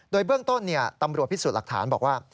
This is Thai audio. โดยเบื้องต้นตำรวจพิสูจน์หลักฐานบอกว่า